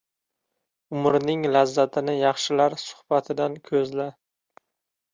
— Umring lazzatini yaxshilar suhbatidan ko‘zla.